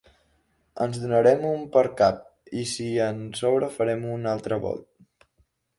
En donarem un per cap, i si en sobra farem un altre volt.